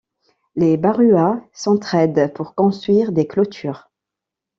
Les Baruyas s'entraident pour construire des clôtures.